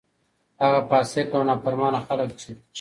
هغه فاسق او نا فرمانه خلک چې: